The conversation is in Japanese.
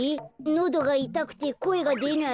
のどがいたくてこえがでない？